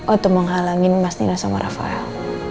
untuk menghalangi mas nino sama rafael